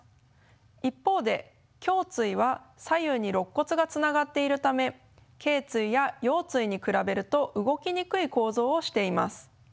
一方で胸椎は左右にろっ骨がつながっているためけい椎や腰椎に比べると動きにくい構造をしています。